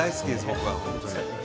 僕は本当に。